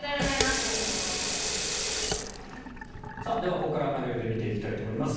ここからはパネルで見ていきたいと思います。